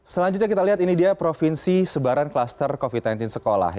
selanjutnya kita lihat ini dia provinsi sebaran kluster covid sembilan belas sekolah